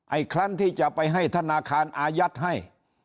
อีกครั้งที่จะไปให้ธนาคารอายัดให้